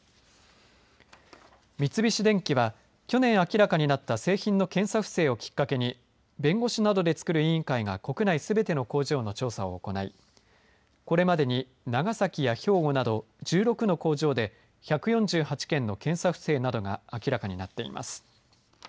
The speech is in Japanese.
三菱電機は去年明らかになった製品の検査不正をきっかけに弁護士などでつくる委員会が国内すべての工場の調査を行いこれまでに長崎や兵庫など１６の工場で１４８件の検査不正などが明らかになっています。